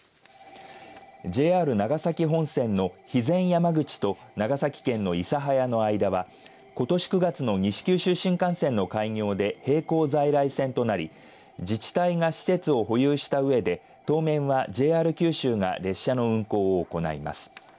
ＪＲ長崎本線の肥前山口と長崎県の諫早の間はことし９月の西九州新幹線の開業で並行在来線となり自治体が施設を保有したうえで当面は、ＪＲ九州が列車の運行を行います。